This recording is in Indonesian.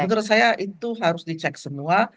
menurut saya itu harus dicek semua